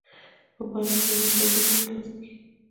په پایله کې یو وروستی ډیزاین ترلاسه کیږي.